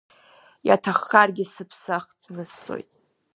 Иаҭаххаргьы сыԥсы ахҭнысҵоит.